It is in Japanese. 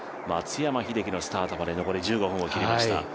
松山英樹のスタートまで残り１５分を切りました。